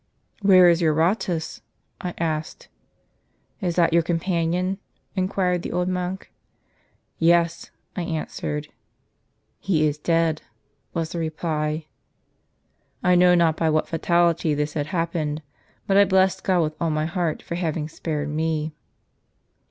'Where is Eurotas?' I asked. 'Is that your com panion?' inquired the old monk. 'Yes,' I answered. 'He is dead,' was the reply. I kno\\' not by what fatality this had happened ; but I bless God with all my heart, for having spared me.